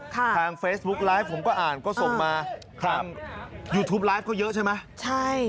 ทางเฟซบุ๊กไลฟ์ผมก็อ่านก็ส่งมาทางยูทูปไลฟ์ก็เยอะใช่ไหมใช่